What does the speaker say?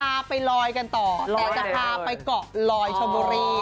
พาไปลอยกันต่อแต่จะพาไปเกาะลอยชมบุรี